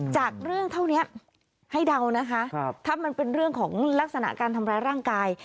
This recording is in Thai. จากเรื่องเท่านี้ให้เดานะคะถ้ามันเป็นเรื่องของลักษณะการทำร้ายร่างกาย